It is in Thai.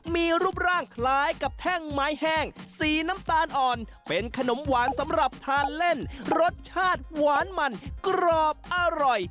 มีรูปร่างคล้ายกับแท่งไม้แห้งสีน้ำตาลอ่อนเป็นขนมหวานสำหรับทานเล่นรสชาติหวานมันกรอบอร่อย